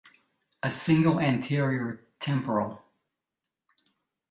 A single anterior temporal.